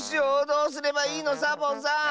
どうすればいいの⁉サボさん。